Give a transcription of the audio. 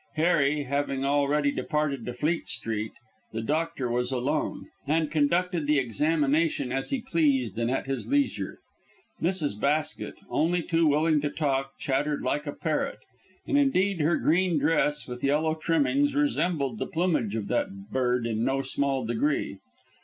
Harry having already departed to Fleet Street, the doctor was alone, and conducted the examination as he pleased and at his leisure. Mrs. Basket, only too willing to talk, chattered like a parrot, and, indeed, her green dress with yellow trimmings resembled the plumage of that bird in no small degree.